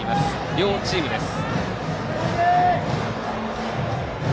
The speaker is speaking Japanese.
両チームです。